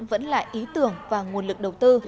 vẫn là ý tưởng và nguồn lực đầu tư